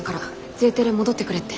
Ｊテレ戻ってくれって。